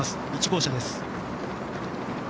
１号車です。